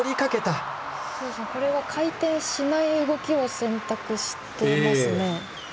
回転しない動きを選択していますね。